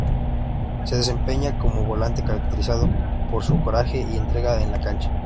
Se desempeñaba como volante caracterizado por su coraje y entrega en la cancha.